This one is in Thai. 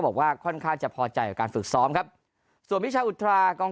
บอกว่าค่อนข้างจะพอใจกับการฝึกซ้อมครับส่วนวิชาอุทรากอง